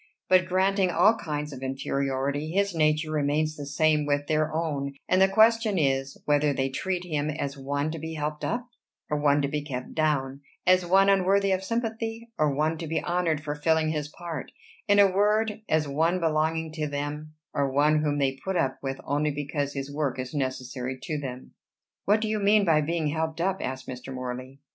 But granting all kinds of inferiority, his nature remains the same with their own; and the question is, whether they treat him as one to be helped up, or one to be kept down; as one unworthy of sympathy, or one to be honored for filling his part: in a word, as one belonging to them, or one whom they put up with only because his work is necessary to them." "What do you mean by being 'helped up'?" asked Mr. Morley.